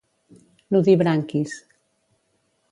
Nudibranquis.